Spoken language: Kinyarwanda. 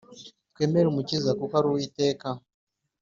Twemeree umukiza kuko ari uwiteka